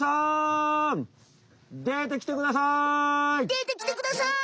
でてきてください！